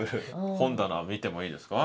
本棚見てもいいですか？